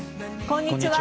こんにちは。